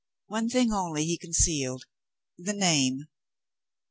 One thing only he concealed the name.